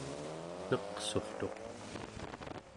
neqsurtuq